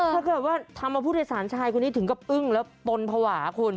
ถ้าเกิดว่าทำเอาผู้โดยสารชายคนนี้ถึงกับอึ้งแล้วปนภาวะคุณ